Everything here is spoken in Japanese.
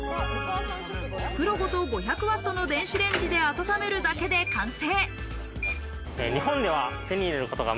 袋ごと５００ワットの電子レンジで温めるだけで完成。